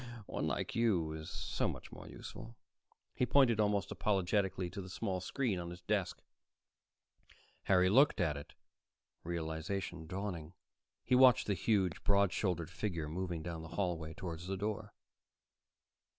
But one like you is so much more useful." He pointed almost apologetically to the small screen on his desk. Harry looked at it, realization dawning. He watched the huge, broad shouldered figure moving down the hallway toward the door.